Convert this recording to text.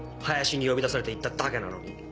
林に呼び出されて行っただけなのに。